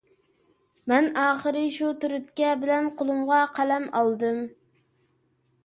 مەن ئاخىر شۇ تۈرتكە بىلەن قولۇمغا قەلەم ئالدىم.